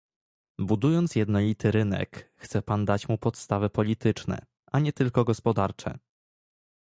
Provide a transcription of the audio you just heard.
Budując jednolity rynek, chce Pan dać mu podstawy polityczne, a nie tylko gospodarcze